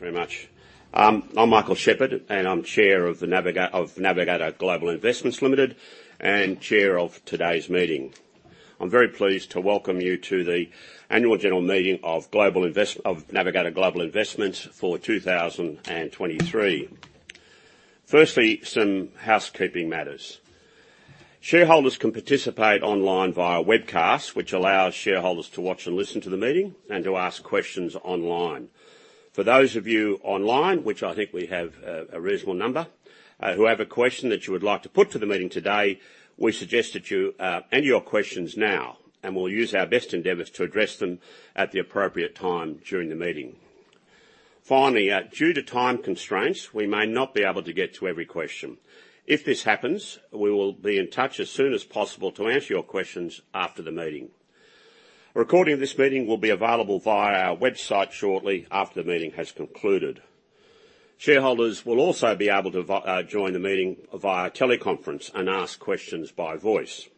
Thanks very much. I'm Michael Shepherd, and I'm Chair of the of Navigator Global Investments Limited, and Chair of today's meeting. I'm very pleased to welcome you to the Annual General Meeting of of Navigator Global Investments for 2023. Firstly, some housekeeping matters. Shareholders can participate online via webcast, which allows shareholders to watch and listen to the meeting and to ask questions online. For those of you online, which I think we have, a reasonable number, who have a question that you would like to put to the meeting today, we suggest that you, enter your questions now, and we'll use our best endeavors to address them at the appropriate time during the meeting. Finally, due to time constraints, we may not be able to get to every question. If this happens, we will be in touch as soon as possible to answer your questions after the meeting. A recording of this meeting will be available via our website shortly after the meeting has concluded. Shareholders will also be able to join the meeting via teleconference and ask questions by voice.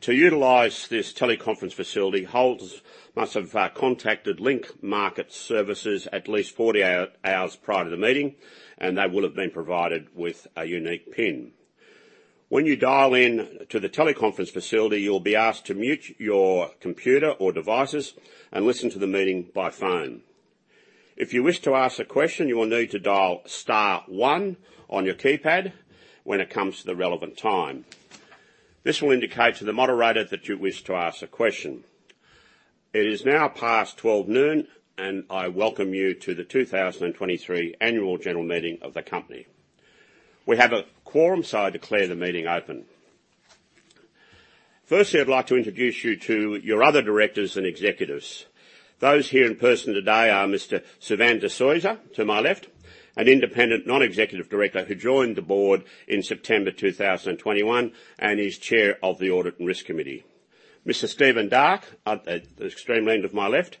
To utilize this teleconference facility, holders must have contacted Link Market Services at least 40 hours prior to the meeting, and they will have been provided with a unique PIN. When you dial in to the teleconference facility, you'll be asked to mute your computer or devices and listen to the meeting by phone. If you wish to ask a question, you will need to dial star one on your keypad when it comes to the relevant time. This will indicate to the moderator that you wish to ask a question. It is now past 12 noon, and I welcome you to the 2023 annual general meeting of the company. We have a quorum, so I declare the meeting open. Firstly, I'd like to introduce you to your other directors and executives. Those here in person today are Mr. Suvan de Soysa, to my left, an independent non-executive director who joined the board in September 2021, and is Chair of the Audit and Risk Committee. Mr. Stephen Darke, at the extreme end of my left,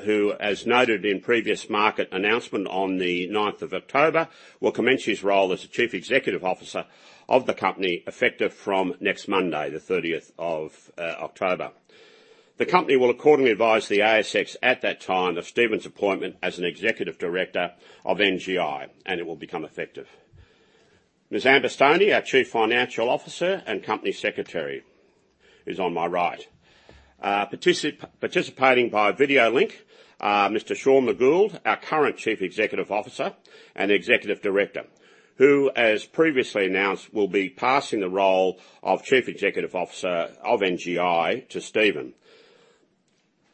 who, as noted in previous market announcement on the ninth of October, will commence his role as the Chief Executive Officer of the company, effective from next Monday, the thirtieth of October. The company will accordingly advise the ASX at that time of Stephen's appointment as an Executive Director of NGI, and it will become effective. Ms. Amber Stoney, our Chief Financial Officer and Company Secretary, is on my right. Participating by video link, Mr. Sean McGould, our current Chief Executive Officer and Executive Director, who, as previously announced, will be passing the role of Chief Executive Officer of NGI to Stephen.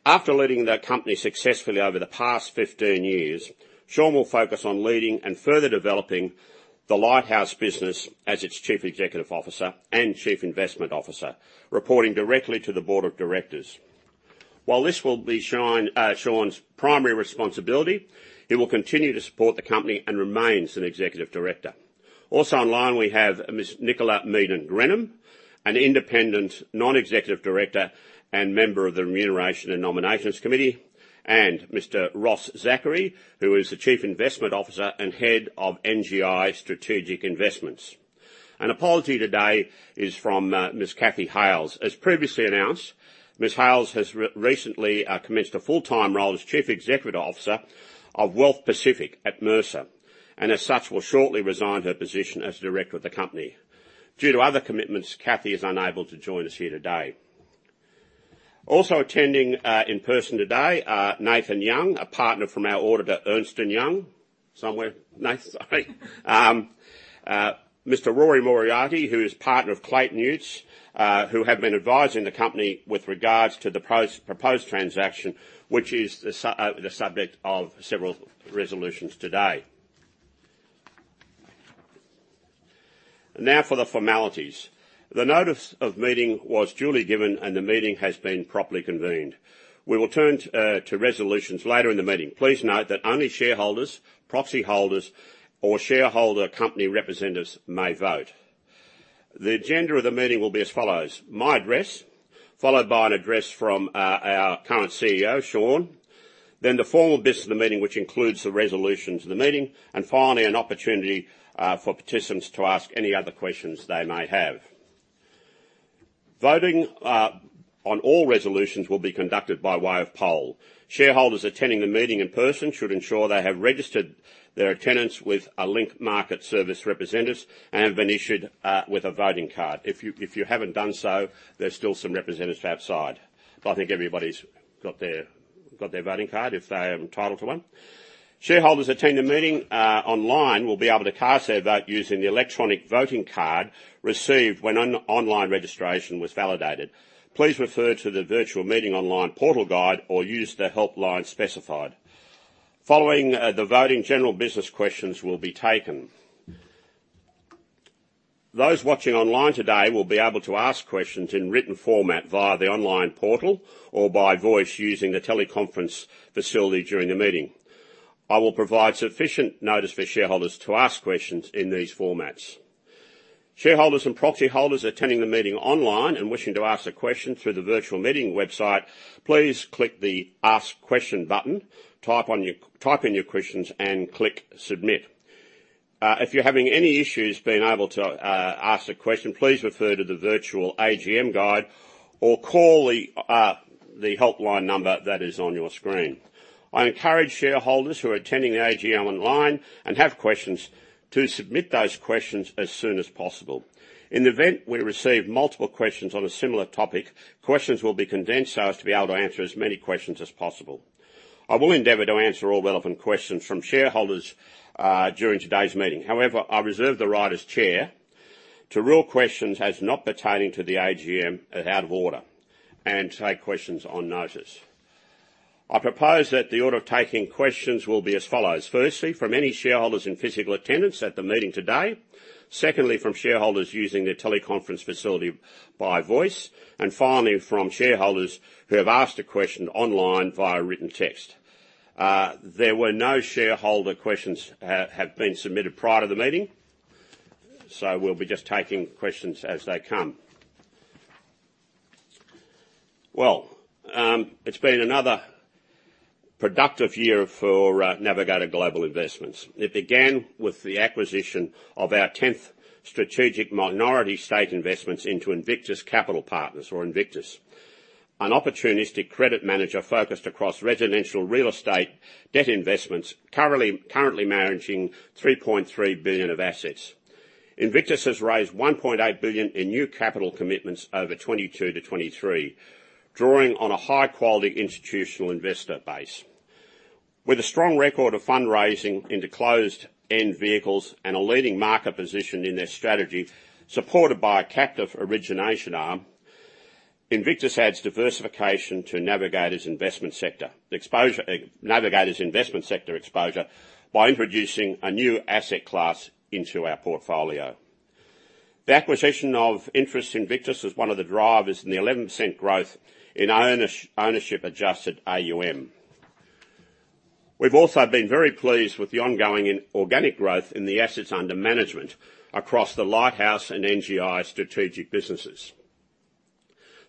After leading the company successfully over the past 15 years, Sean will focus on leading and further developing the Lighthouse business as its Chief Executive Officer and Chief Investment Officer, reporting directly to the Board of Directors. While this will be Sean's primary responsibility, he will continue to support the company and remains an executive director. Also online, we have Ms. Nicola Meaden Grenham, an independent non-executive director and member of the Remuneration and Nominations Committee, and Mr. Ross Zachary, who is the Chief Investment Officer and Head of NGI Strategic Investments. An apology today is from Ms. Cathy Hales. As previously announced, Ms. Hales has recently commenced a full-time role as Chief Executive Officer of Wealth Pacific at Mercer, and as such, will shortly resign her position as Director of the company. Due to other commitments, Cathy is unable to join us here today. Also attending, in person today are Nathan Young, a partner from our auditor, Ernst & Young. Somewhere, Nath, sorry. Mr. Rory Moriarty, who is partner of Clayton Utz, who have been advising the company with regards to the proposed transaction, which is the subject of several resolutions today. Now for the formalities. The notice of meeting was duly given, and the meeting has been properly convened. We will turn to resolutions later in the meeting. Please note that only shareholders, proxy holders, or shareholder company representatives may vote. The agenda of the meeting will be as follows: My address, followed by an address from our current CEO, Sean, then the formal business of the meeting, which includes the resolutions of the meeting, and finally, an opportunity for participants to ask any other questions they may have. Voting on all resolutions will be conducted by way of poll. Shareholders attending the meeting in person should ensure they have registered their attendance with a Link Market Services representative and have been issued with a voting card. If you haven't done so, there are still some representatives outside, but I think everybody's got their voting card if they are entitled to one. Shareholders attending the meeting online will be able to cast their vote using the electronic voting card received when online registration was validated. Please refer to the Virtual Meeting Online Portal Guide or use the helpline specified. Following the voting, general business questions will be taken. Those watching online today will be able to ask questions in written format via the online portal or by voice using the teleconference facility during the meeting. I will provide sufficient notice for shareholders to ask questions in these formats. Shareholders and proxy holders attending the meeting online and wishing to ask a question through the virtual meeting website, please click the Ask Question button, type in your questions, and click Submit. If you're having any issues being able to ask a question, please refer to the virtual AGM guide or call the helpline number that is on your screen. I encourage shareholders who are attending the AGM online and have questions to submit those questions as soon as possible. In the event we receive multiple questions on a similar topic, questions will be condensed so as to be able to answer as many questions as possible. I will endeavor to answer all relevant questions from shareholders, during today's meeting. However, I reserve the right as chair, to rule questions as not pertaining to the AGM, as out of order, and take questions on notice. I propose that the order of taking questions will be as follows: firstly, from any shareholders in physical attendance at the meeting today. Secondly, from shareholders using the teleconference facility by voice, and finally, from shareholders who have asked a question online via written text. There were no shareholder questions have been submitted prior to the meeting, so we'll be just taking questions as they come. Well, it's been another productive year for Navigator Global Investments. It began with the acquisition of our tenth strategic minority stake investments into Invictus Capital Partners, or Invictus. An opportunistic credit manager focused across residential real estate debt investments, currently managing $3.3 billion of assets. Invictus has raised $1.8 billion in new capital commitments over 2022-2023, drawing on a high-quality institutional investor base. With a strong record of fundraising into closed-end vehicles and a leading market position in their strategy, supported by a captive origination arm, Invictus adds diversification to Navigator's investment sector. The exposure, Navigator's investment sector exposure by introducing a new asset class into our portfolio. The acquisition of interest in Invictus is one of the drivers in the 11% growth in ownership-adjusted AUM. We've also been very pleased with the ongoing and organic growth in the assets under management across the Lighthouse and NGI strategic businesses.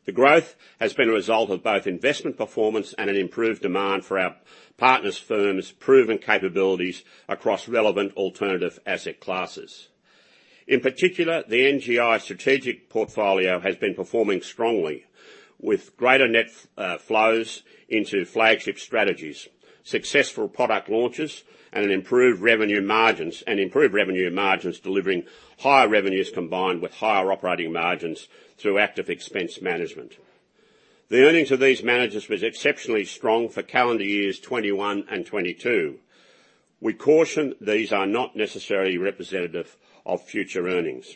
The growth has been a result of both investment performance and an improved demand for our partners, firms, proven capabilities across relevant alternative asset classes. In particular, the NGI strategic portfolio has been performing strongly with greater net flows into flagship strategies, successful product launches, and an improved revenue margins, and improved revenue margins, delivering higher revenues combined with higher operating margins through active expense management. The earnings of these managers was exceptionally strong for calendar years 2021 and 2022. We caution these are not necessarily representative of future earnings.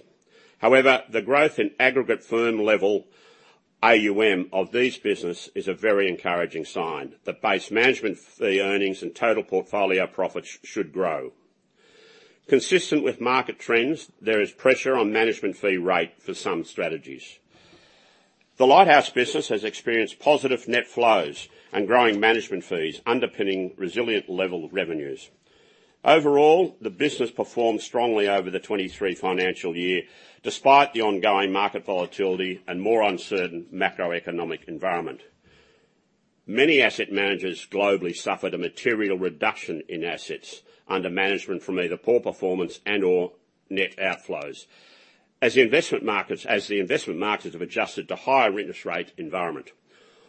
However, the growth in aggregate firm level AUM of these businesses is a very encouraging sign that base management fee earnings and total portfolio profits should grow. Consistent with market trends, there is pressure on management fee rate for some strategies. The Lighthouse business has experienced positive net flows and growing management fees, underpinning resilient level of revenues. Overall, the business performed strongly over the 2023 financial year, despite the ongoing market volatility and more uncertain macroeconomic environment. Many asset managers globally suffered a material reduction in assets under management from either poor performance and/or net outflows. As the investment markets have adjusted to higher interest rate environment.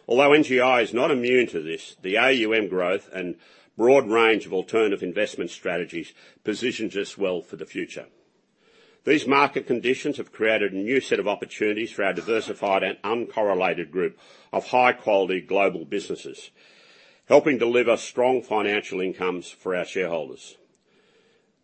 Although NGI is not immune to this, the AUM growth and broad range of alternative investment strategies positions us well for the future. These market conditions have created a new set of opportunities for our diversified and uncorrelated group of high-quality global businesses, helping deliver strong financial incomes for our shareholders.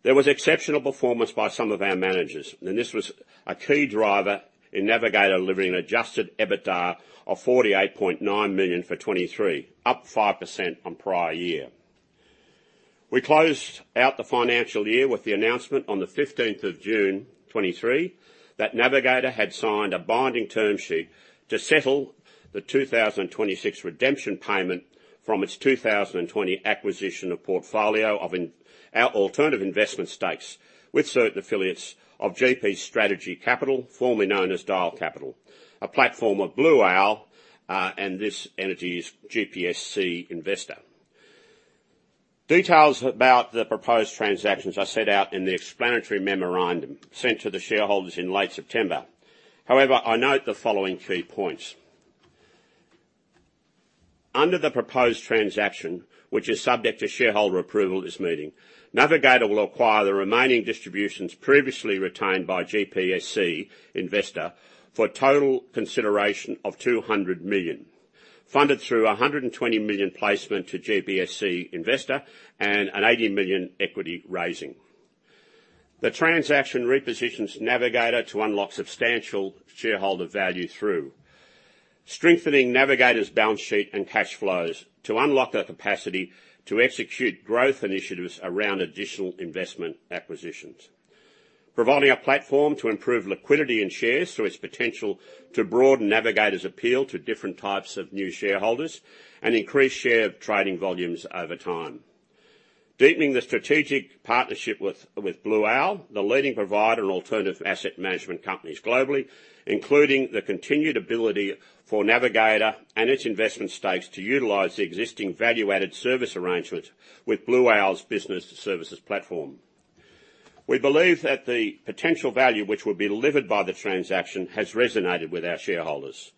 There was exceptional performance by some of our managers, and this was a key driver in Navigator delivering an Adjusted EBITDA of 48.9 million for 2023, up 5% on prior year. We closed out the financial year with the announcement on the 15th of June 2023, that Navigator had signed a binding term sheet to settle the 2026 redemption payment from its 2020 acquisition of portfolio of our alternative investment stakes with certain affiliates of GP Strategic Capital, formerly known as Dyal Capital, a platform of Blue Owl, and this entity is GPSC Investor. Details about the proposed transactions are set out in the explanatory memorandum sent to the shareholders in late September. However, I note the following key points: Under the proposed transaction, which is subject to shareholder approval this meeting, Navigator will acquire the remaining distributions previously retained by GPSC Investor for total consideration of 200 million, funded through a 120 million placement to GPSC Investor and an 80 million equity raising. The transaction repositions Navigator to unlock substantial shareholder value through strengthening Navigator's balance sheet and cash flows, to unlock the capacity to execute growth initiatives around additional investment acquisitions. Providing a platform to improve liquidity in shares through its potential to broaden Navigator's appeal to different types of new shareholders and increase share of trading volumes over time. Deepening the strategic partnership with Blue Owl, the leading provider and alternative asset management companies globally, including the continued ability for Navigator and its investment stakes to utilize the existing value-added service arrangement with Blue Owl's business services platform.... We believe that the potential value which will be delivered by the transaction has resonated with our shareholders,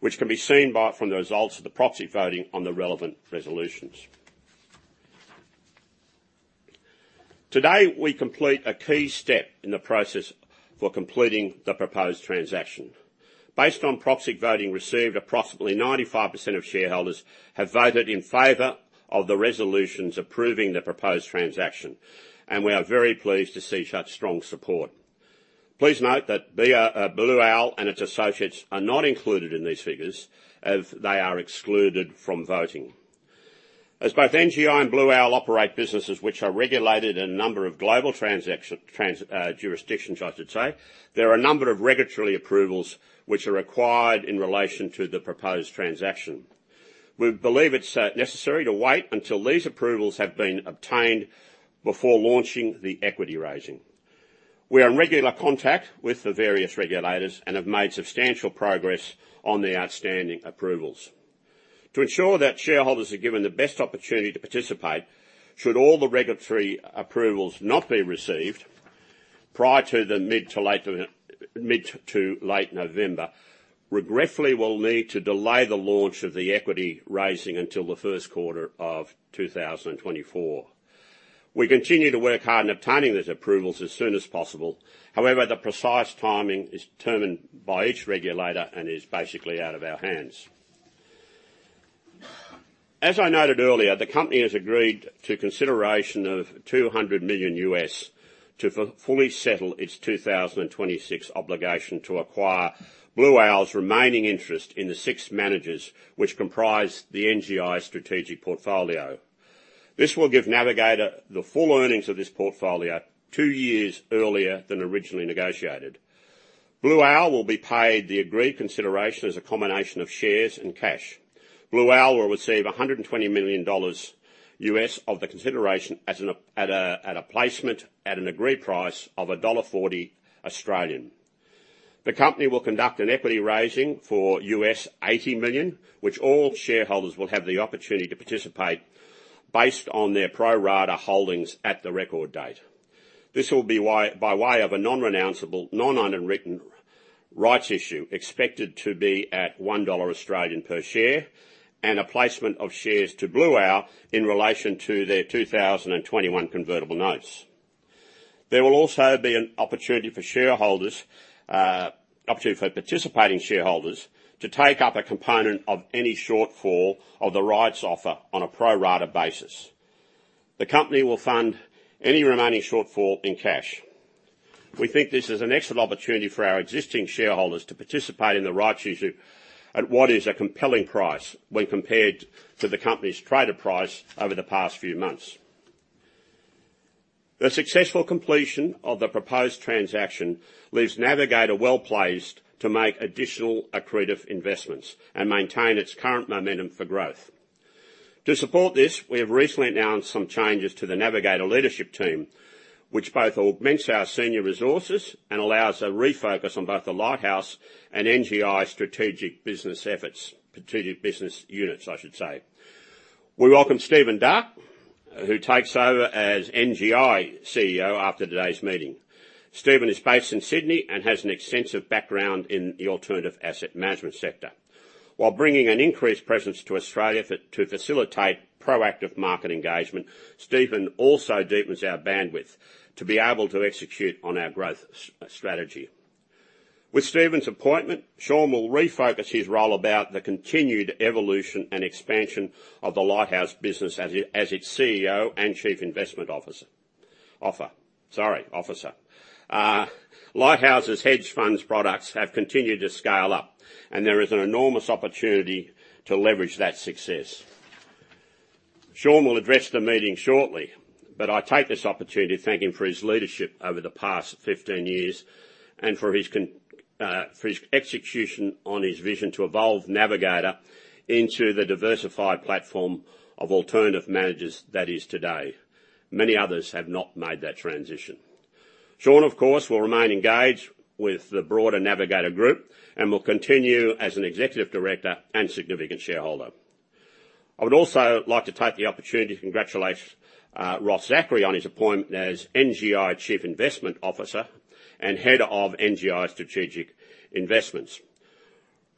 which can be seen from the results of the proxy voting on the relevant resolutions. Today, we complete a key step in the process for completing the proposed transaction. Based on proxy voting received, approximately 95% of shareholders have voted in favor of the resolutions approving the proposed transaction, and we are very pleased to see such strong support. Please note that Blue Owl and its associates are not included in these figures, as they are excluded from voting. As both NGI and Blue Owl operate businesses which are regulated in a number of global transactions, jurisdictions, I should say, there are a number of regulatory approvals which are required in relation to the proposed transaction. We believe it's necessary to wait until these approvals have been obtained before launching the equity raising. We are in regular contact with the various regulators and have made substantial progress on the outstanding approvals. To ensure that shareholders are given the best opportunity to participate, should all the regulatory approvals not be received prior to the mid- to late November, regretfully, we'll need to delay the launch of the equity raising until the Q1 of 2024. We continue to work hard in obtaining these approvals as soon as possible, however, the precise timing is determined by each regulator and is basically out of our hands. As I noted earlier, the company has agreed to consideration of $200 million to fully settle its 2026 obligation to acquire Blue Owl's remaining interest in the six managers, which comprise the NGI strategic portfolio. This will give Navigator the full earnings of this portfolio two years earlier than originally negotiated. Blue Owl will be paid the agreed consideration as a combination of shares and cash. Blue Owl will receive $120 million of the consideration as a placement at an agreed price of 1.40 Australian dollars. The company will conduct an equity raising for $80 million, which all shareholders will have the opportunity to participate based on their pro rata holdings at the record date. This will be by way of a non-renounceable, non-underwritten rights issue, expected to be at 1 Australian dollar per share, and a placement of shares to Blue Owl in relation to their 2021 convertible notes. There will also be an opportunity for participating shareholders to take up a component of any shortfall of the rights offer on a pro rata basis. The company will fund any remaining shortfall in cash. We think this is an excellent opportunity for our existing shareholders to participate in the rights issue at what is a compelling price when compared to the company's traded price over the past few months. The successful completion of the proposed transaction leaves Navigator well-placed to make additional accretive investments and maintain its current momentum for growth. To support this, we have recently announced some changes to the Navigator leadership team, which both augments our senior resources and allows a refocus on both the Lighthouse and NGI strategic business efforts, strategic business units, I should say. We welcome Stephen Darke, who takes over as NGI CEO after today's meeting. Stephen is based in Sydney and has an extensive background in the alternative asset management sector. While bringing an increased presence to Australia to facilitate proactive market engagement, Stephen also deepens our bandwidth to be able to execute on our growth strategy. With Stephen's appointment, Sean will refocus his role about the continued evolution and expansion of the Lighthouse business as its CEO and chief investment officer. Lighthouse's hedge funds products have continued to scale up, and there is an enormous opportunity to leverage that success. Sean will address the meeting shortly, but I take this opportunity to thank him for his leadership over the past 15 years and for his execution on his vision to evolve Navigator into the diversified platform of alternative managers that it is today. Many others have not made that transition. Sean, of course, will remain engaged with the broader Navigator Group and will continue as an Executive Director and significant shareholder. I would also like to take the opportunity to congratulate Ross Zachary on his appointment as NGI Chief Investment Officer and Head of NGI Strategic Investments.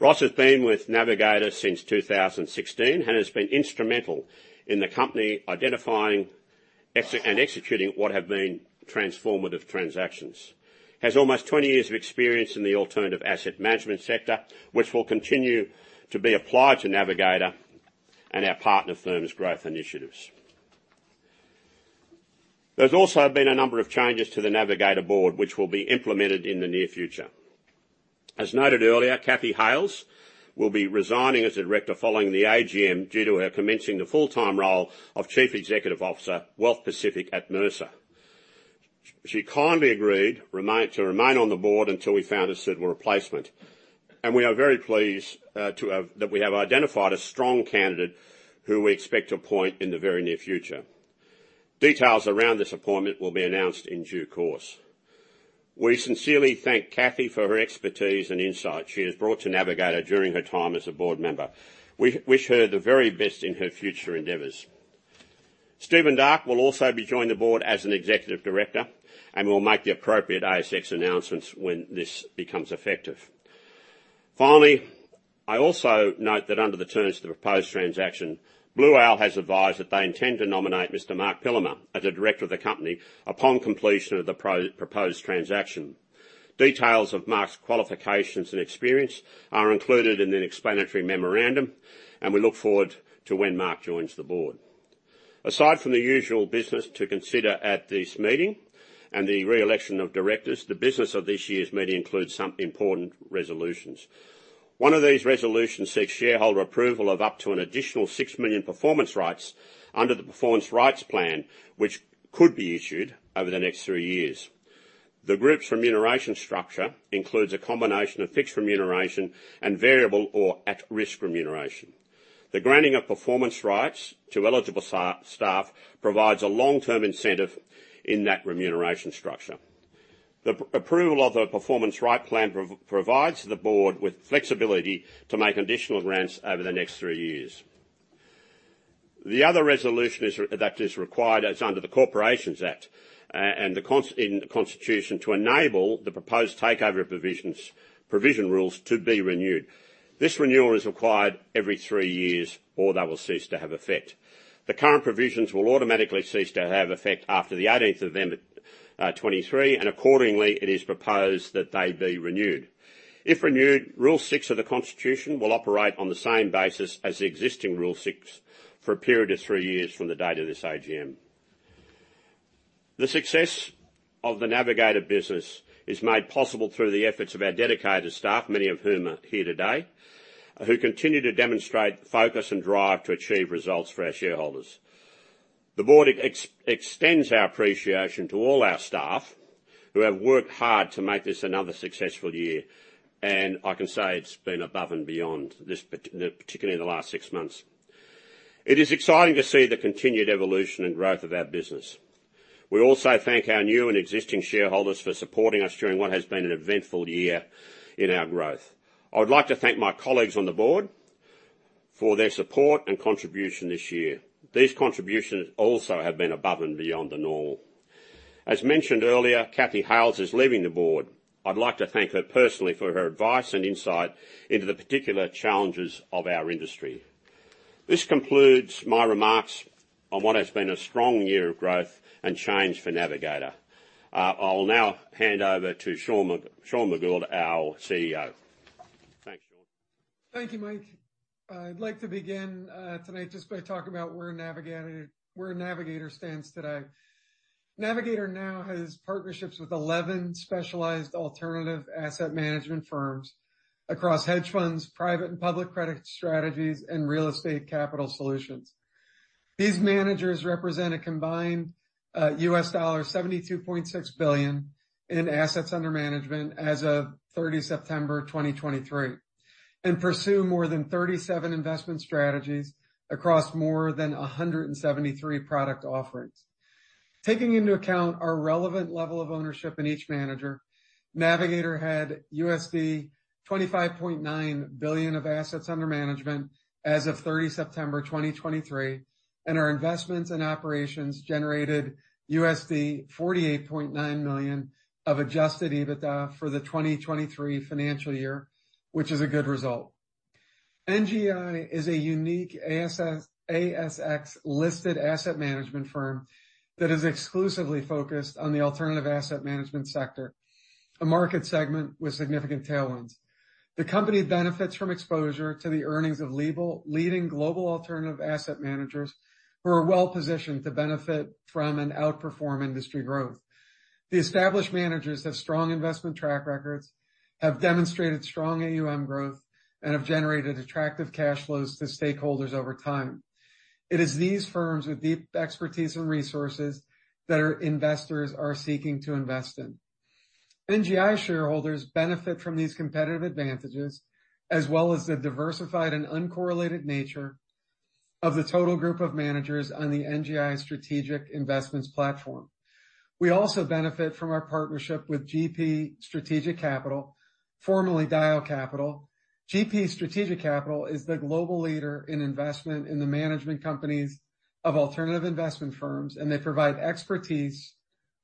Ross has been with Navigator since 2016 and has been instrumental in the company identifying and executing what have been transformative transactions. Has almost 20 years of experience in the alternative asset management sector, which will continue to be applied to Navigator and our partner firms' growth initiatives. There's also been a number of changes to the Navigator board, which will be implemented in the near future. As noted earlier, Cathy Hales will be resigning as a director following the AGM due to her commencing the full-time role of Chief Executive Officer, Wealth Pacific at Mercer. She kindly agreed to remain on the board until we found a suitable replacement, and we are very pleased to have identified a strong candidate who we expect to appoint in the very near future. Details around this appointment will be announced in due course. We sincerely thank Cathy for her expertise and insight she has brought to Navigator during her time as a board member. We wish her the very best in her future endeavors. Stephen Darke will also be joining the board as an executive director, and we'll make the appropriate ASX announcements when this becomes effective. Finally, I also note that under the terms of the proposed transaction, Blue Owl has advised that they intend to nominate Mr. Marc Pillemer as a director of the company upon completion of the proposed transaction. Details of Marc's qualifications and experience are included in an explanatory memorandum, and we look forward to when Marc joins the board. Aside from the usual business to consider at this meeting and the re-election of directors, the business of this year's meeting includes some important resolutions. One of these resolutions seeks shareholder approval of up to an additional 6 million Performance Rights under the Performance Rights Plan, which could be issued over the next 3 years. The group's remuneration structure includes a combination of fixed remuneration and variable or at-risk remuneration. The granting of performance rights to eligible staff provides a long-term incentive in that remuneration structure. The approval of the performance right plan provides the board with flexibility to make additional grants over the next three years. The other resolution, that is required, is under the Corporations Act and in the Constitution, to enable the proposed takeover provisions, provision rules to be renewed. This renewal is required every three years, or they will cease to have effect. The current provisions will automatically cease to have effect after the eighteenth of November 2023, and accordingly, it is proposed that they be renewed. If renewed, Rule Six of the Constitution will operate on the same basis as the existing Rule Six for a period of three years from the date of this AGM. The success of the Navigator business is made possible through the efforts of our dedicated staff, many of whom are here today, who continue to demonstrate focus and drive to achieve results for our shareholders. The board extends our appreciation to all our staff who have worked hard to make this another successful year, and I can say it's been above and beyond, particularly in the last six months. It is exciting to see the continued evolution and growth of our business. We also thank our new and existing shareholders for supporting us during what has been an eventful year in our growth. I would like to thank my colleagues on the board for their support and contribution this year. These contributions also have been above and beyond the norm. As mentioned earlier, Cathy Hales is leaving the board. I'd like to thank her personally for her advice and insight into the particular challenges of our industry. This concludes my remarks on what has been a strong year of growth and change for Navigator. I'll now hand over to Sean McGould, our CEO. Thanks, Sean. Thank you, Mike. I'd like to begin tonight just by talking about where Navigator, where Navigator stands today. Navigator now has partnerships with 11 specialized alternative asset management firms across hedge funds, private and public credit strategies, and real estate capital solutions. These managers represent a combined $72.6 billion in assets under management as of 30 September 2023, and pursue more than 37 investment strategies across more than 173 product offerings. Taking into account our relevant level of ownership in each manager, Navigator had $25.9 billion of assets under management as of 30 September 2023, and our investments and operations generated $48.9 million of adjusted EBITDA for the 2023 financial year, which is a good result. NGI is a unique ASX-listed asset management firm that is exclusively focused on the alternative asset management sector, a market segment with significant tailwinds. The company benefits from exposure to the earnings of leading global alternative asset managers, who are well positioned to benefit from an outperform industry growth. The established managers have strong investment track records, have demonstrated strong AUM growth, and have generated attractive cash flows to stakeholders over time. It is these firms with deep expertise and resources that our investors are seeking to invest in. NGI shareholders benefit from these competitive advantages, as well as the diversified and uncorrelated nature of the total group of managers on the NGI Strategic Investments platform. We also benefit from our partnership with GP Strategic Capital, formerly Dyal Capital. GP Strategic Capital is the global leader in investment in the management companies of alternative investment firms, and they provide expertise,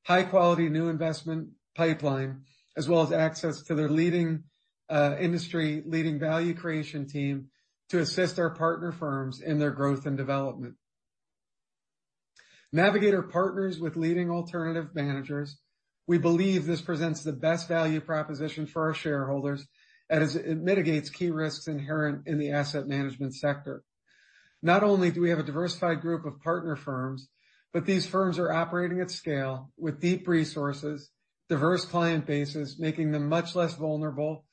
high quality new investment pipeline, as well as access to their leading, industry-leading value creation team to assist our partner firms in their growth and development. Navigator partners with leading alternative managers. We believe this presents the best value proposition for our shareholders, and as... It mitigates key risks inherent in the asset management sector. Not only do we have a diversified group of partner firms, but these firms are operating at scale with deep resources, diverse client bases, making them much less vulnerable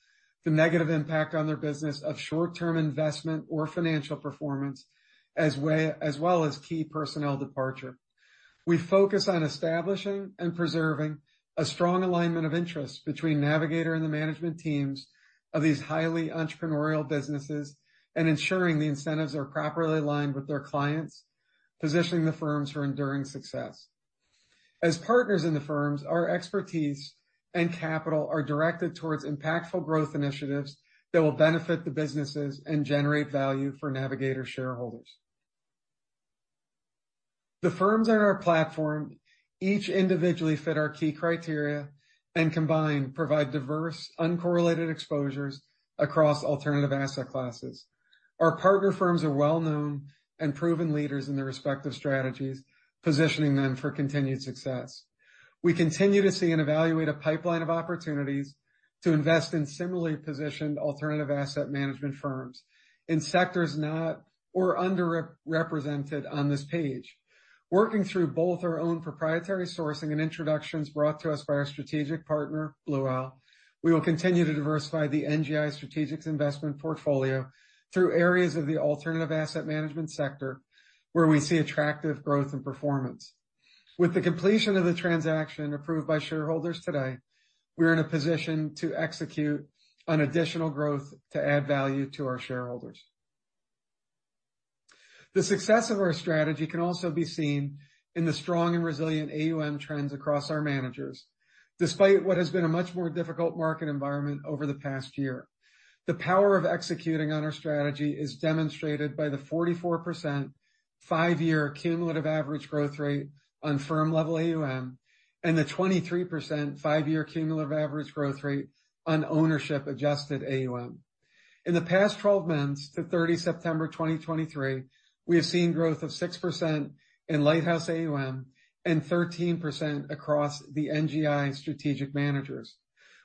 to negative impact on their business of short-term investment or financial performance, anyway, as well as key personnel departure. We focus on establishing and preserving a strong alignment of interests between Navigator and the management teams of these highly entrepreneurial businesses and ensuring the incentives are properly aligned with their clients, positioning the firms for enduring success. As partners in the firms, our expertise and capital are directed towards impactful growth initiatives that will benefit the businesses and generate value for Navigator shareholders. The firms on our platform each individually fit our key criteria, and combined, provide diverse, uncorrelated exposures across alternative asset classes. Our partner firms are well-known and proven leaders in their respective strategies, positioning them for continued success. We continue to see and evaluate a pipeline of opportunities to invest in similarly positioned alternative asset management firms in sectors not or underrepresented on this page. Working through both our own proprietary sourcing and introductions brought to us by our strategic partner, Blue Owl, we will continue to diversify the NGI Strategic's investment portfolio through areas of the alternative asset management sector, where we see attractive growth and performance. With the completion of the transaction approved by shareholders today, we are in a position to execute on additional growth to add value to our shareholders. The success of our strategy can also be seen in the strong and resilient AUM trends across our managers, despite what has been a much more difficult market environment over the past year. The power of executing on our strategy is demonstrated by the 44%, five-year cumulative average growth rate on firm-level AUM, and the 23%, five-year cumulative average growth rate on ownership-adjusted AUM. In the past 12 months, to 30 September 2023, we have seen growth of 6% in Lighthouse AUM and 13% across the NGI strategic managers.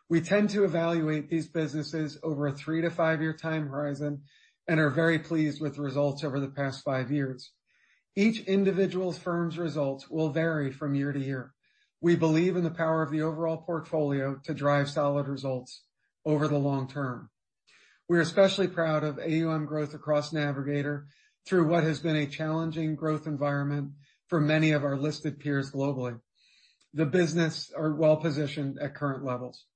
We tend to evaluate these businesses over a 3-5-year time horizon and are very pleased with the results over the past 5 years. Each individual firm's results will vary from year to year. We believe in the power of the overall portfolio to drive solid results over the long term. We're especially proud of AUM growth across Navigator through what has been a challenging growth environment for many of our listed peers globally. The business are well-positioned at current levels.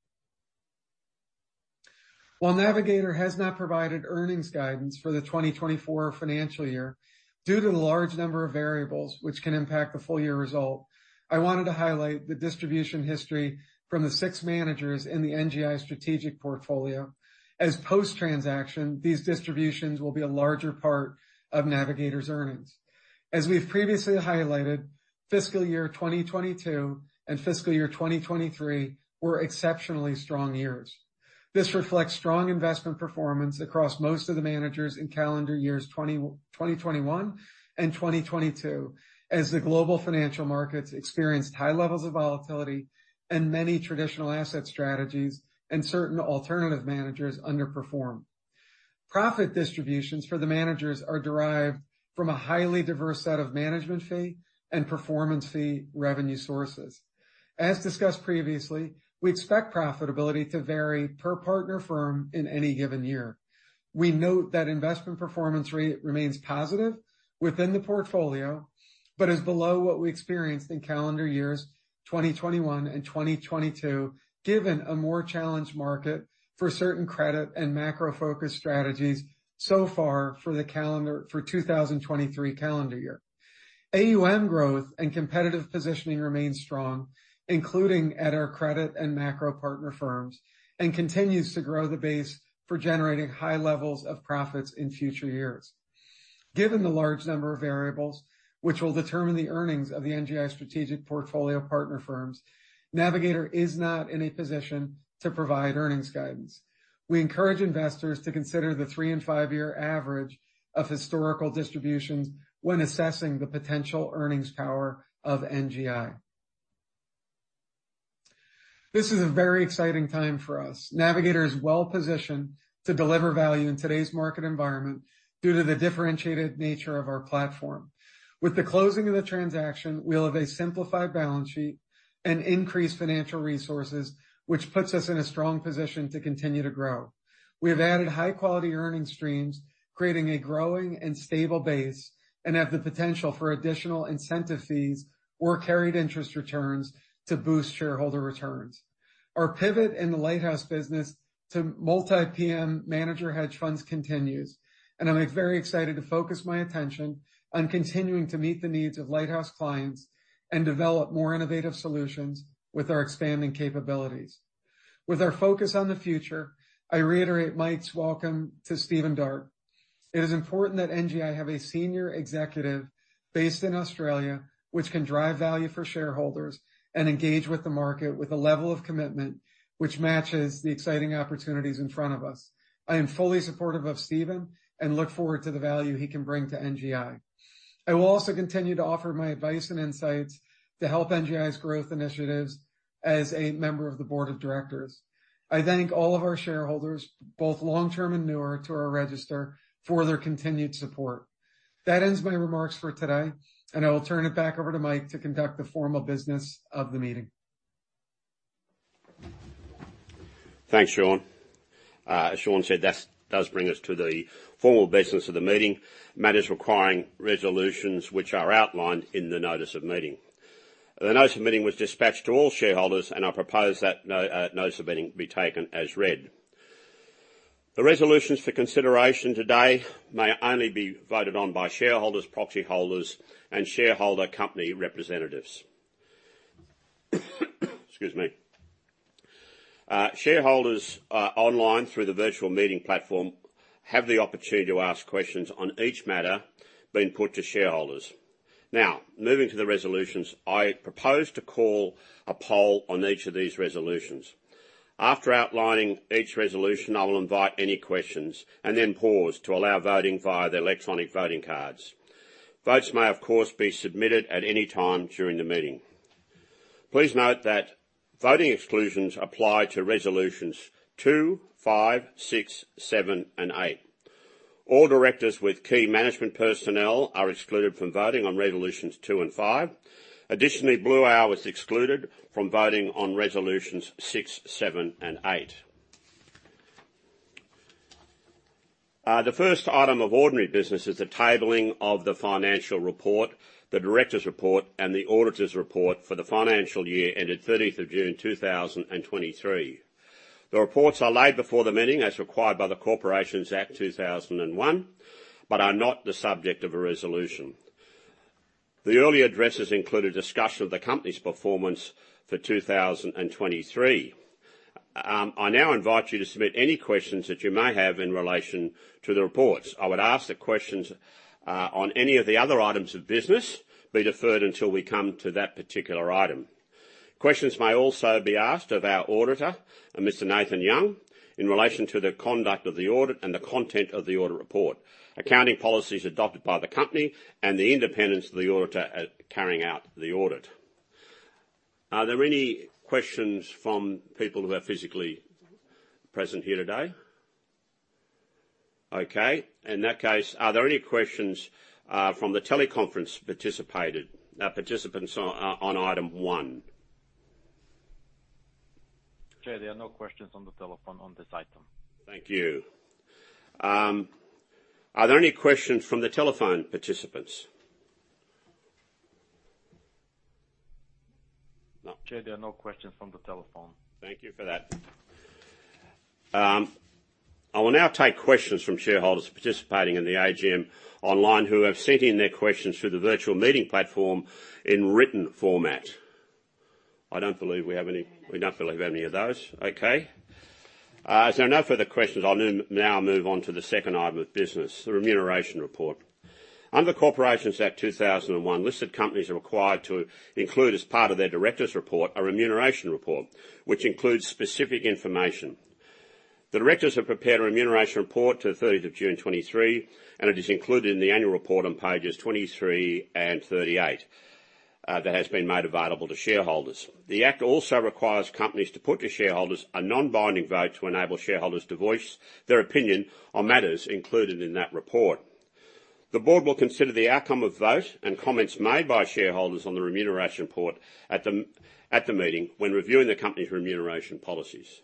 While Navigator has not provided earnings guidance for the 2024 financial year, due to the large number of variables which can impact the full year result, I wanted to highlight the distribution history from the six managers in the NGI strategic portfolio. As post-transaction, these distributions will be a larger part of Navigator's earnings. As we've previously highlighted, fiscal year 2022 and fiscal year 2023 were exceptionally strong years. This reflects strong investment performance across most of the managers in calendar years 2021 and 2022, as the global financial markets experienced high levels of volatility and many traditional asset strategies and certain alternative managers underperformed. Profit distributions for the managers are derived from a highly diverse set of management fee and performance fee revenue sources. As discussed previously, we expect profitability to vary per partner firm in any given year. We note that investment performance remains positive within the portfolio, but is below what we experienced in calendar years 2021 and 2022, given a more challenged market for certain credit and macro-focused strategies so far for the 2023 calendar year. AUM growth and competitive positioning remains strong, including at our credit and macro partner firms, and continues to grow the base for generating high levels of profits in future years. Given the large number of variables which will determine the earnings of the NGI strategic portfolio partner firms, Navigator is not in a position to provide earnings guidance. We encourage investors to consider the three and five year average of historical distributions when assessing the potential earnings power of NGI. This is a very exciting time for us. Navigator is well-positioned to deliver value in today's market environment due to the differentiated nature of our platform. With the closing of the transaction, we'll have a simplified balance sheet and increased financial resources, which puts us in a strong position to continue to grow. We have added high-quality earning streams, creating a growing and stable base, and have the potential for additional incentive fees or carried interest returns to boost shareholder returns. Our pivot in the Lighthouse business to multi-PM manager hedge funds continues, and I'm very excited to focus my attention on continuing to meet the needs of Lighthouse clients and develop more innovative solutions with our expanding capabilities. With our focus on the future, I reiterate Mike's welcome to Stephen Darke. It is important that NGI have a senior executive based in Australia, which can drive value for shareholders and engage with the market with a level of commitment which matches the exciting opportunities in front of us. I am fully supportive of Stephen and look forward to the value he can bring to NGI. I will also continue to offer my advice and insights to help NGI's growth initiatives as a member of the board of directors. I thank all of our shareholders, both long-term and newer, to our register for their continued support. That ends my remarks for today, and I will turn it back over to Mike to conduct the formal business of the meeting. Thanks, Sean. As Sean said, that does bring us to the formal business of the meeting, matters requiring resolutions which are outlined in the notice of meeting. The notice of meeting was dispatched to all shareholders, and I propose that the notice of meeting be taken as read. The resolutions for consideration today may only be voted on by shareholders, proxy holders, and shareholder company representatives. Excuse me. Shareholders online through the virtual meeting platform have the opportunity to ask questions on each matter being put to shareholders. Now, moving to the resolutions, I propose to call a poll on each of these resolutions. After outlining each resolution, I will invite any questions and then pause to allow voting via the electronic voting cards. Votes may, of course, be submitted at any time during the meeting. Please note that voting exclusions apply to resolutions two, five, six, seven, and eight. All directors with key management personnel are excluded from voting on resolutions two and five. Additionally, Blue Owl is excluded from voting on resolutions six, seven, and eight. The first item of ordinary business is the tabling of the financial report, the directors' report, and the auditors' report for the financial year ended 30th of June 2023. The reports are laid before the meeting, as required by the Corporations Act 2001, but are not the subject of a resolution. The early addresses include a discussion of the company's performance for 2023. I now invite you to submit any questions that you may have in relation to the reports. I would ask that questions on any of the other items of business be deferred until we come to that particular item. Questions may also be asked of our auditor, Mr. Nathan Young, in relation to the conduct of the audit and the content of the audit report, accounting policies adopted by the company, and the independence of the auditor at carrying out the audit. Are there any questions from people who are physically present here today? Okay, in that case, are there any questions from the teleconference participants on item one? Chair, there are no questions on the telephone on this item. Thank you. Are there any questions from the telephone participants? No. Chair, there are no questions from the telephone. Thank you for that. I will now take questions from shareholders participating in the AGM online who have sent in their questions through the virtual meeting platform in written format. We don't believe we have any of those. Okay. So no further questions. I'll now move on to the second item of business, the Remuneration Report. Under Corporations Act 2001, listed companies are required to include, as part of their directors' report, a remuneration report, which includes specific information. The directors have prepared a Remuneration Report to 30 June 2023, and it is included in the annual report on pages 23 and 38, that has been made available to shareholders. The Act also requires companies to put to shareholders a non-binding vote to enable shareholders to voice their opinion on matters included in that report. The board will consider the outcome of vote and comments made by shareholders on the Remuneration Report at the meeting when reviewing the company's remuneration policies.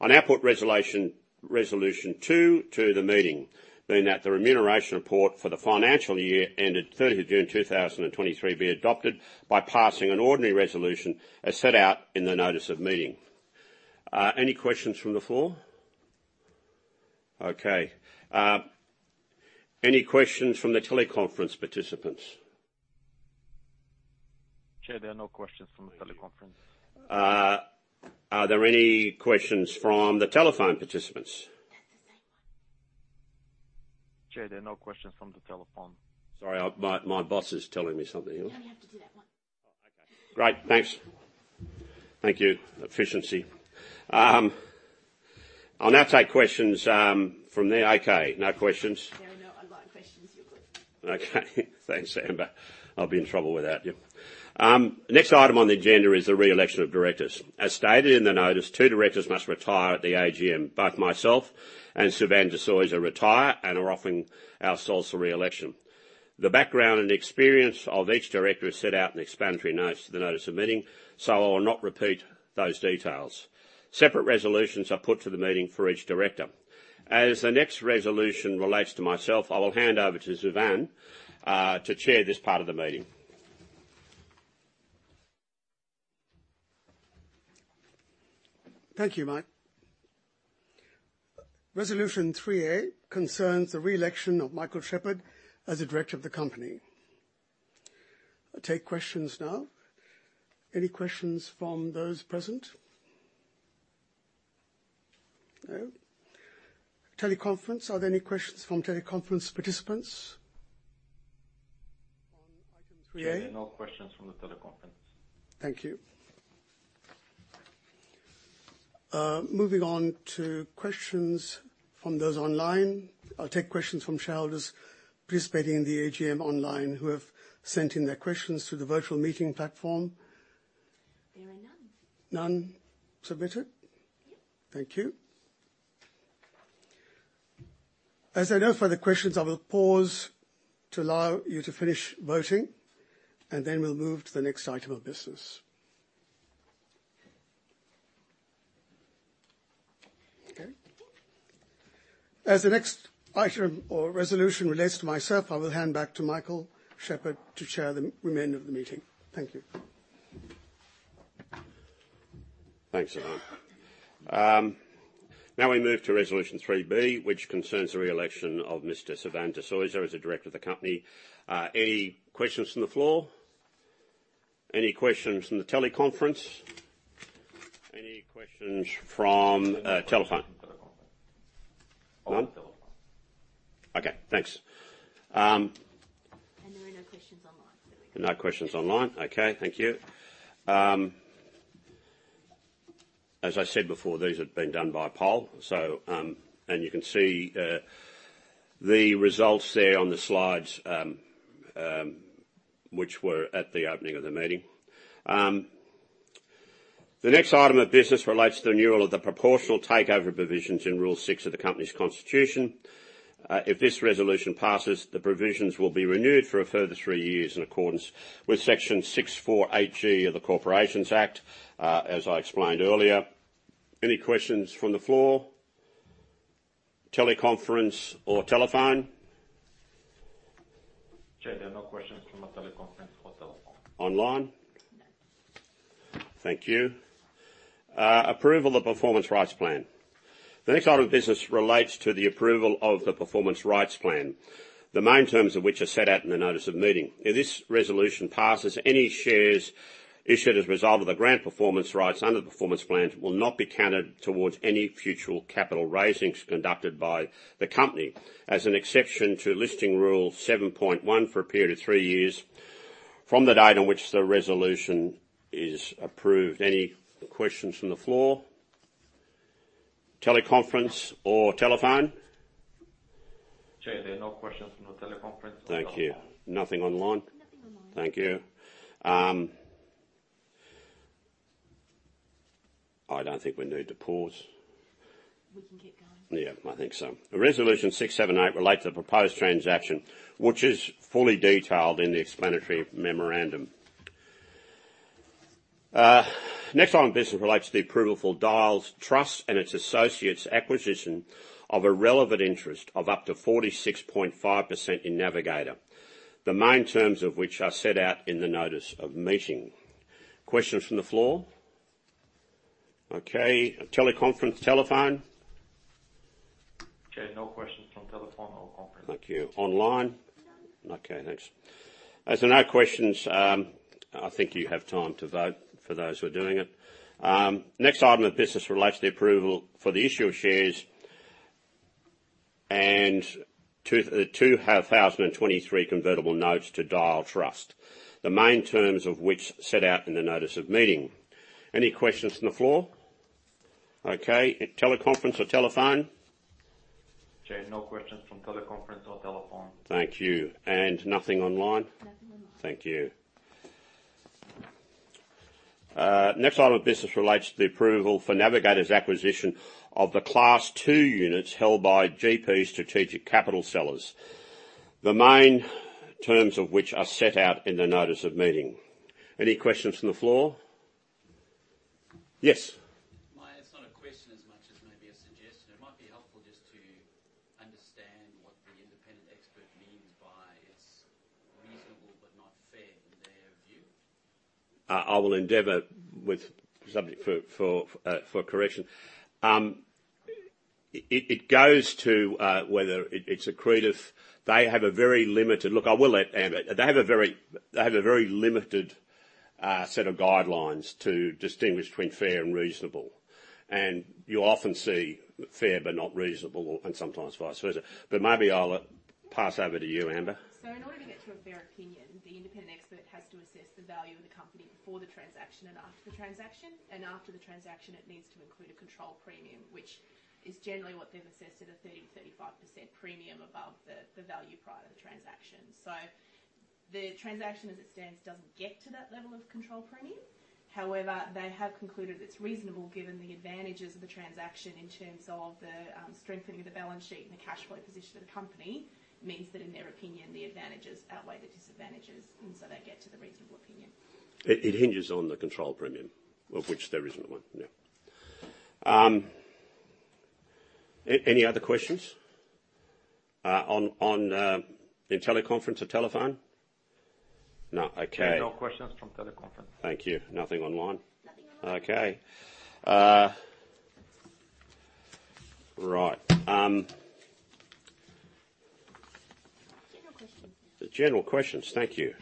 I now put Resolution two to the meeting, being that the Remuneration Report for the financial year ended thirtieth of June 2023 be adopted by passing an ordinary resolution as set out in the notice of meeting. Any questions from the floor? Okay. Any questions from the teleconference participants? Chair, there are no questions from the teleconference. Are there any questions from the telephone participants? That's the same one. Chair, there are no questions from the telephone. Sorry, my boss is telling me something here. Now we have to do that one. Oh, okay. Great, thanks. Thank you. Efficiency. I'll now take questions from the... Okay, no questions? There are no online questions, you're good. Okay, thanks, Amber. I'll be in trouble with that, yep. The next item on the agenda is the re-election of directors. As stated in the notice, two directors must retire at the AGM. Both myself and Suvan de Soysa retire and are offering ourselves for re-election. The background and experience of each director is set out in the explanatory notes to the notice of meeting, so I will not repeat those details. Separate resolutions are put to the meeting for each director. As the next resolution relates to myself, I will hand over to Suvan to chair this part of the meeting. Thank you, Mike. Resolution 3A concerns the re-election of Michael Shepherd as a director of the company. I'll take questions now. Any questions from those present? No. Teleconference, are there any questions from teleconference participants on item 3A? There are no questions from the teleconference. Thank you. Moving on to questions from those online. I'll take questions from shareholders participating in the AGM online who have sent in their questions through the virtual meeting platform. There are none. None submitted? Yep. Thank you. As there are no further questions, I will pause to allow you to finish voting, and then we'll move to the next item of business. Okay. As the next item or resolution relates to myself, I will hand back to Michael Shepherd to chair the remainder of the meeting. Thank you.... Thanks, Suvan. Now we move to Resolution 3B, which concerns the re-election of Mr. Suvan de Soysa as a director of the company. Any questions from the floor? Any questions from the teleconference? Any questions from telephone? Telephone. None? Telephone. Okay, thanks. There are no questions online, so we can- No questions online. Okay, thank you. As I said before, these have been done by poll, so, and you can see the results there on the slides, which were at the opening of the meeting. The next item of business relates to the renewal of the proportional takeover provisions in Rule 6 of the company's constitution. If this resolution passes, the provisions will be renewed for a further 3 years in accordance with Section 64H of the Corporations Act, as I explained earlier. Any questions from the floor, teleconference or telephone? Chair, there are no questions from the teleconference or telephone. Online? None. Thank you. Approval of Performance Rights Plan. The next item of business relates to the approval of the Performance Rights Plan, the main terms of which are set out in the notice of meeting. If this resolution passes, any shares issued as a result of the grant performance rights under the Performance Rights Plan will not be counted towards any future capital raisings conducted by the company as an exception to Listing Rule 7.1 for a period of three years from the date on which the resolution is approved. Any questions from the floor, teleconference or telephone? Chair, there are no questions from the teleconference or telephone. Thank you. Nothing online? Nothing online. Thank you. I don't think we need to pause. We can keep going. Yeah, I think so. Resolution 678 relates to the proposed transaction, which is fully detailed in the explanatory memorandum. Next item of business relates to the approval for Dyal Trust and its associates' acquisition of a relevant interest of up to 46.5% in Navigator, the main terms of which are set out in the notice of meeting. Questions from the floor? Okay. Teleconference, telephone? Chair, no questions from telephone or conference. Thank you. Online? None. Okay, thanks. As there are no questions, I think you have time to vote for those who are doing it. Next item of business relates to the approval for the issue of shares and 2023 Convertible Notes to Dyal Trust, the main terms of which are set out in the notice of meeting. Any questions from the floor? Okay. Teleconference or telephone? Chair, no questions from teleconference or telephone. Thank you. And nothing online? Nothing online. Thank you. Next item of business relates to the approval for Navigator's acquisition of the Class two units held by GP Strategic Capital Sellers, the main terms of which are set out in the notice of meeting. Any questions from the floor? Yes. It's not a question as much as maybe a suggestion. It might be helpful just to understand what the independent expert means by it's reasonable but not fair, in their view. I will endeavor with subject for correction. It goes to whether it's accretive. They have a very limited... Look, I will let Amber. They have a very limited set of guidelines to distinguish between fair and reasonable. And you often see fair but not reasonable, and sometimes vice versa. But maybe I'll pass over to you, Amber. In order to get to a fair opinion, the independent expert has to assess the value of the company before the transaction and after the transaction. After the transaction, it needs to include a control premium, which is generally what they've assessed at a 30%-35% premium above the, the value prior to the transaction. The transaction, as it stands, doesn't get to that level of control premium. However, they have concluded it's reasonable, given the advantages of the transaction in terms of the, strengthening the balance sheet and the cash flow position of the company, means that, in their opinion, the advantages outweigh the disadvantages, and so they get to the reasonable opinion. It hinges on the control premium, of which there isn't one, yeah. Any other questions on teleconference or telephone? No. Okay. There are no questions from teleconference. Thank you. Nothing online? Nothing online. Okay. Right. General questions. General questions. Thank you.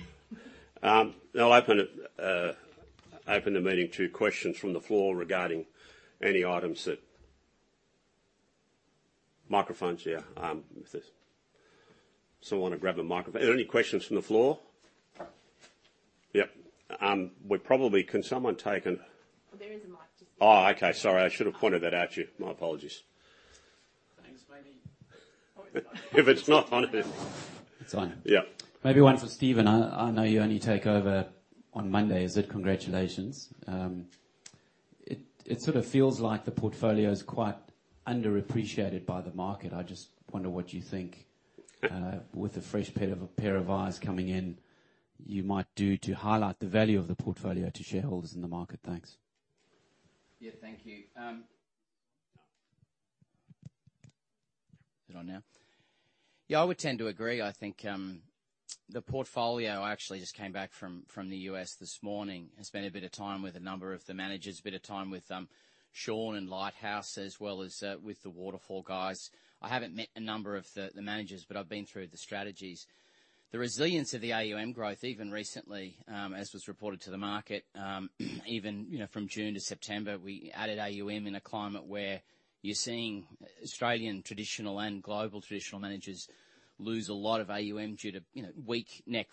I'll open the meeting to questions from the floor regarding any items that... Microphones, yeah, with this. Someone want to grab the microphone? Are there any questions from the floor? Yeah. We probably... Can someone take an- There is a mic just- Oh, okay. Sorry, I should have pointed that at you. My apologies. Thanks. Maybe- If it's not on, it- It's on. Yeah. Maybe one for Stephen. I know you only take over on Monday, is it? Congratulations. It sort of feels like the portfolio is quite underappreciated by the market. I just wonder what you think, with a fresh pair of eyes coming in, you might do to highlight the value of the portfolio to shareholders in the market. Thanks. Yeah, thank you.... it on now. Yeah, I would tend to agree. I think, the portfolio, I actually just came back from the U.S. this morning, and spent a bit of time with a number of the managers, a bit of time with Sean and Lighthouse, as well as with the Waterfall guys. I haven't met a number of the managers, but I've been through the strategies. The resilience of the AUM growth, even recently, as was reported to the market, even, you know, from June to September, we added AUM in a climate where you're seeing Australian traditional and global traditional managers lose a lot of AUM due to, you know, weak net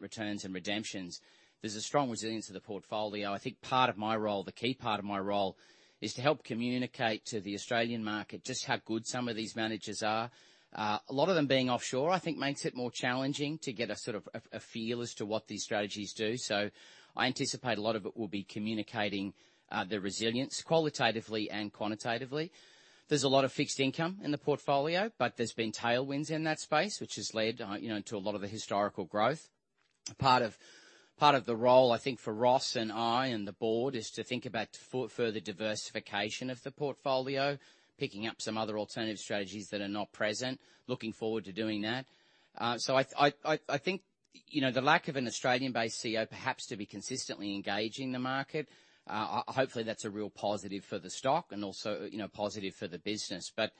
returns and redemptions. There's a strong resilience to the portfolio. I think part of my role, the key part of my role, is to help communicate to the Australian market just how good some of these managers are. A lot of them being offshore, I think makes it more challenging to get a sort of feel as to what these strategies do. So I anticipate a lot of it will be communicating the resilience qualitatively and quantitatively. There's a lot of fixed income in the portfolio, but there's been tailwinds in that space, which has led, you know, to a lot of the historical growth. Part of the role, I think, for Ross and I, and the board, is to think about further diversification of the portfolio, picking up some other alternative strategies that are not present, looking forward to doing that. So I think, you know, the lack of an Australian-based CEO, perhaps to be consistently engaging the market, hopefully, that's a real positive for the stock and also, you know, positive for the business. But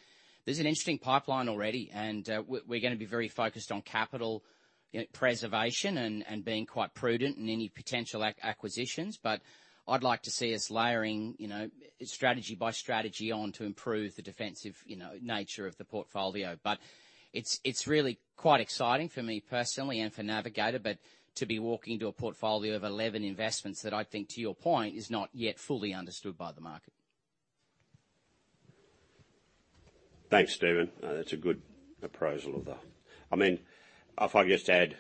there's an interesting pipeline already, and we're gonna be very focused on capital, you know, preservation and being quite prudent in any potential acquisitions. But I'd like to see us layering, you know, strategy by strategy on to improve the defensive, you know, nature of the portfolio. But it's really quite exciting for me personally and for Navigator, but to be walking into a portfolio of 11 investments that I think, to your point, is not yet fully understood by the market. Thanks, Stephen. That's a good appraisal of the... I mean, if I just add,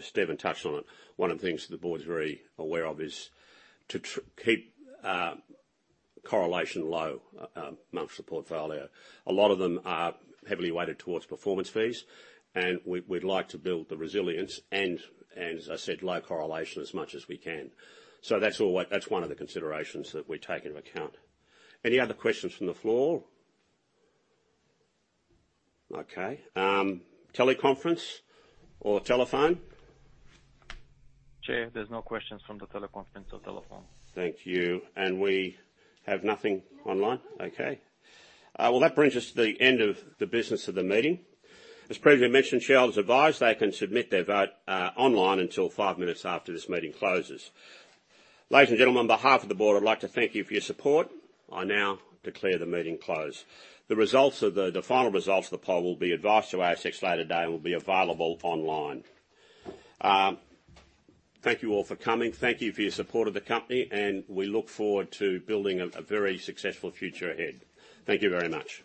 Stephen touched on it. One of the things the board's very aware of is to keep correlation low among the portfolio. A lot of them are heavily weighted towards performance fees, and we'd like to build the resilience, and as I said, low correlation as much as we can. So that's all that's one of the considerations that we take into account. Any other questions from the floor? Okay, teleconference or telephone? Chair, there's no questions from the teleconference or telephone. Thank you, and we have nothing online? Okay. Well, that brings us to the end of the business of the meeting. As previously mentioned, shareholders advised they can submit their vote online until five minutes after this meeting closes. Ladies and gentlemen, on behalf of the board, I'd like to thank you for your support. I now declare the meeting closed. The results of the... The final results of the poll will be advised to ASX later today and will be available online. Thank you all for coming. Thank you for your support of the company, and we look forward to building a, a very successful future ahead. Thank you very much.